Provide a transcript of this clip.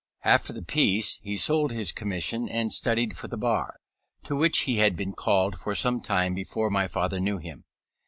After the Peace he sold his commission and studied for the bar, to which he had been called for some time before my father knew him.